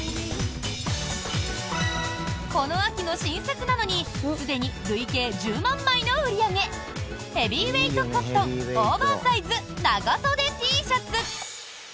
この秋の新作なのにすでに累計１０万枚の売り上げヘビーウエイトコットンオーバーサイズ長袖Ｔシャツ。